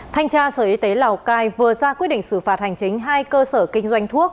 thanh tra sở y tế lào cai vừa ra quyết định xử phạt hành chính hai cơ sở kinh doanh thuốc